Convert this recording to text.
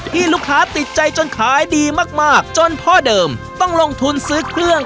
ที่ลูกค้าติดใจจนขายดีมากจนพ่อเดิมต้องลงทุนซื้อเครื่อง